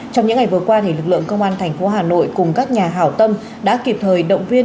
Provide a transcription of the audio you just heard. trong những ngày vừa qua lực lượng công an thành phố hà nội cùng các nhà hảo tâm đã kịp thời động viên